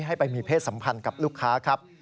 ให้ไปมีเพศสัมพันธ์กับลูกค้าครับ